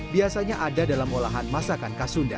biasanya ada dalam olahan masakan kasunda